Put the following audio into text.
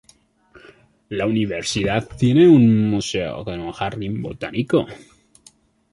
La universidad tiene un museo con un jardín botánico.